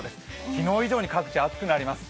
昨日以上に各地暑くなります。